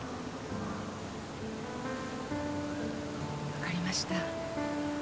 分かりました。